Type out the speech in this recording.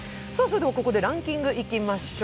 ここでランキングいきましょう。